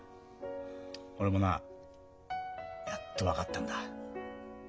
俺もなやっと分かったんだ。